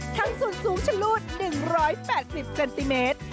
ทั้งส่วนสูงชะลูด๑๘๐เซนติเมตร